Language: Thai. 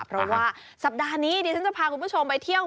เพราะว่าสัปดาห์นี้ดิฉันจะพาคุณผู้ชมไปเที่ยว